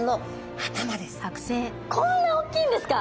こんなおっきいんですか！？